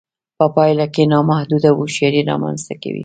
په پايله کې نامحدوده هوښياري رامنځته کوي.